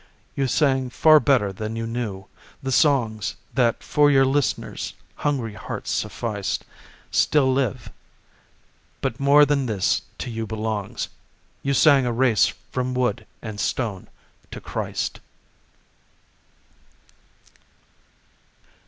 You sang far better than you knew; the songs That for your listeners' hungry hearts sufficed Still live, but more than this to you belongs: You sang a race from wood and stone to Christ.